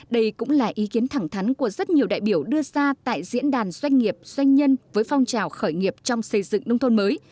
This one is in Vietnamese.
đây cũng là ý kiến thẳng thắn của rất nhiều đại biểu đưa ra tại diễn đàn doanh nghiệp doanh nhân với phong trào khởi nghiệp trong xây dựng nông thôn mới